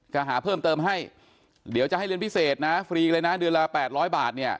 หาเพิ่มเติมให้เดี๋ยวจะให้เรียนพิเศษนะฟรีเลยนะเดือนละ๘๐๐บาทเนี่ย